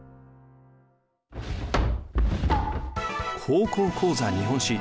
「高校講座日本史」。